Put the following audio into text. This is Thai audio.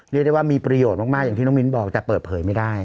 เรียกได้ว่ามีประโยชน์มากอย่างที่น้องมิ้นบอกแต่เปิดเผยไม่ได้